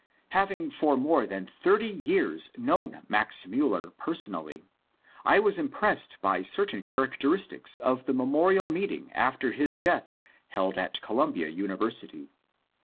Having for more than thirty years known Max Miiller per sonally, I was impressed by certain characteristics of the memorial meeting after his death held at Columbia Univer sity.